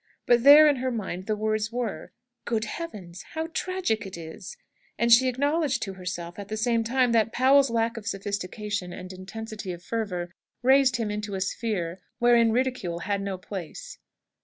But there in her mind the words were, "Good Heaven; how tragic it is!" And she acknowledged to herself, at the same time, that Powell's lack of sophistication and intensity of fervour raised him into a sphere wherein ridicule had no place.